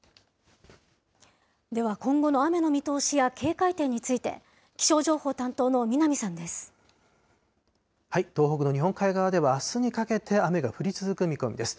では、今後も雨の見通しや警戒点について、東北の日本海側では、あすにかけて雨が降り続く見込みです。